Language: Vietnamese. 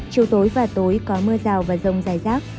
chiều tối và tối có mưa rào và rông dài rác